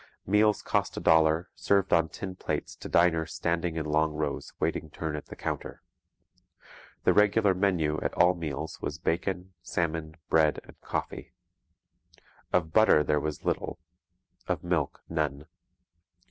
Meals cost a dollar, served on tin plates to diners standing in long rows waiting turn at the counter. The regular menu at all meals was bacon, salmon, bread, and coffee. Of butter there was little; of milk, none.